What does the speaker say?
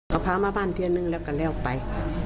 เขาพามาบ้านที่นึงแล้วกันแล้วไป